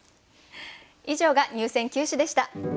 以上が入選九首でした。